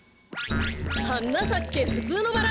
「はなさけふつうのバラ」